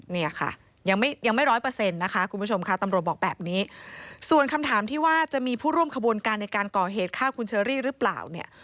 เนี่ยค่ะยังไม่ยังไม่ร้อยเปอร์เซ็นต์นะคะคุณผู้ชมค่ะตำรวจบอกแบบนี้ส่วนคำถามที่ว่าจะมีผู้ร่วมขบวนการในการก่อเหตุฆ่าคุณเชอรี่หรือเปล่าเนี่ย